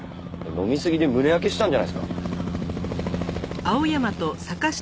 飲みすぎで胸焼けしたんじゃないですか？